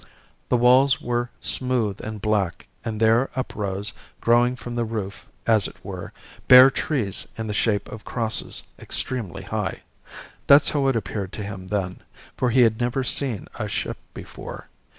The walls were smooth and black, and there uprose, growing from the roof as it were, bare trees in the shape of crosses, extremely high. That's how it appeared to him then, for he had never seen a ship before.